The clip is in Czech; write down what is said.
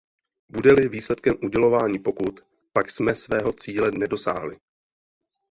Bude-li výsledkem udělování pokut, pak jsme svého cíle nedosáhli.